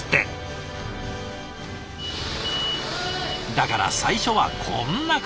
だから最初はこんな形。